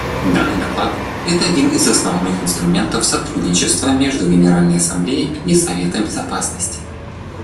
Данный доклад — это один из основных инструментов сотрудничества между Генеральной Ассамблеей и Советом Безопасности.